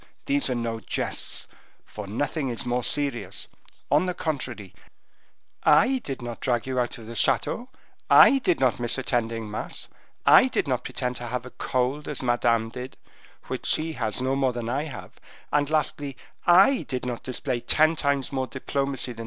These are no jests, for nothing is more serious; on the contrary, I did not drag you out of the chateau; I did not miss attending mass; I did not pretend to have a cold, as Madame did, which she has no more than I have; and, lastly, I did not display ten times more diplomacy than M.